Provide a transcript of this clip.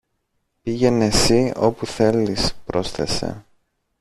Πήγαινε συ όπου θέλεις, πρόσθεσε